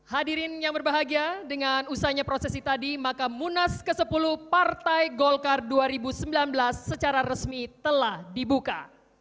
hadirin yang berbahagia dengan usahanya prosesi tadi maka munas ke sepuluh partai golkar dua ribu sembilan belas secara resmi telah dibuka